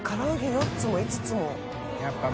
４つも５つも。